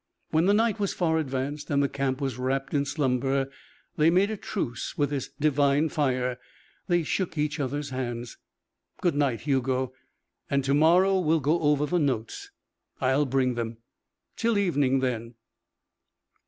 When the night was far advanced and the camp was wrapped in slumber, they made a truce with this divine fire. They shook each other's hands. "Good night, Hugo. And to morrow we'll go over the notes." "I'll bring them." "Till evening, then."